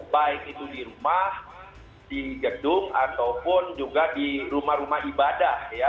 baik itu di rumah di gedung ataupun juga di rumah rumah ibadah ya